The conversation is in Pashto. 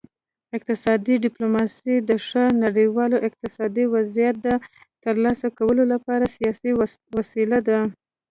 اقتصادي ډیپلوماسي د ښه نړیوال اقتصادي وضعیت د ترلاسه کولو لپاره سیاسي وسیله ده